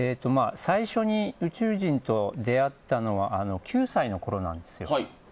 最初に宇宙人と出会ったのは９歳のころなんですよ。